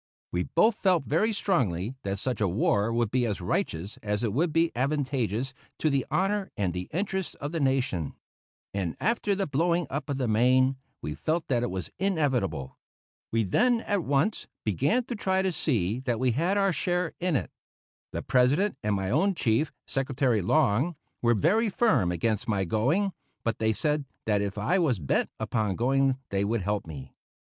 We both felt very strongly that such a war would be as righteous as it would be advantageous to the honor and the interests of the nation; and after the blowing up of the Maine, we felt that it was inevitable. We then at once began to try to see that we had our share in it. The President and my own chief, Secretary Long, were very firm against my going, but they said that if I was bent upon going they would help me.